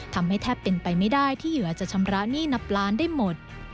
แทบเป็นไปไม่ได้ที่เหยื่อจะชำระหนี้นับล้านได้หมด